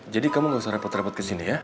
jadi kamu nggak usah repot repot ke sini ya